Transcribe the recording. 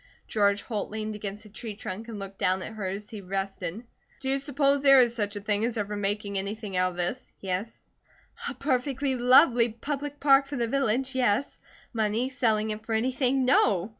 George Holt leaned against a tree trunk and looked down at her as he rested. "Do you suppose there is such a thing as ever making anything out of this?" he asked. "A perfectly lovely public park for the village, yes; money, selling it for anything, no!